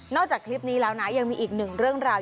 จากคลิปนี้แล้วนะยังมีอีกหนึ่งเรื่องราว